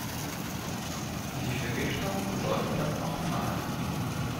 Und die Vergifter sollen dann auch zahlen!